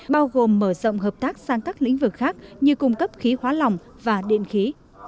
bao gồm mở rộng hợp tác sang các lĩnh vực khác như cung cấp khí hóa lỏng và điện khí